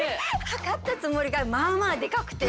測ったつもりがまあまあでかくて。